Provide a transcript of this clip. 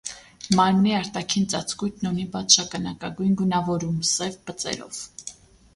Մարմնի արտաքին ծածկույթն ունի բաց շագանակագույն գունավորում՝ սև բծերով։